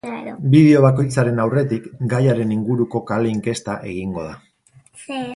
Bideo bakoitzaren aurretik gaiaren inguruko kale inkesta egingo da.